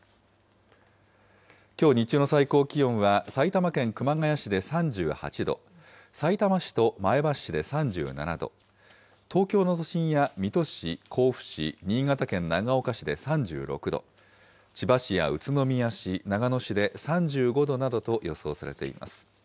きょう日中の最高気温は埼玉県熊谷市で３８度、さいたま市と前橋市で３７度、東京の都心や水戸市、甲府市、新潟県長岡市で３６度、千葉市や宇都宮市、長野市で３５度などと予想されています。